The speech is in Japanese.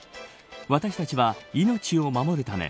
私たちは、命を守るため